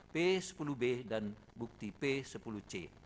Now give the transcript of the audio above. p sepuluh b dan bukti p sepuluh c